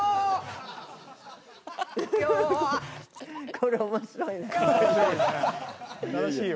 これ面白いね・